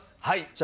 はい。